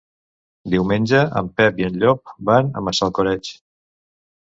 Diumenge en Pep i en Llop van a Massalcoreig.